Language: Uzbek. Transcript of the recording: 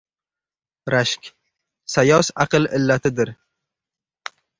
Rashk sayoz aql illatidir.